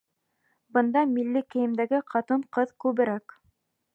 Бында милли кейемдәге ҡатын-ҡыҙ күберәк.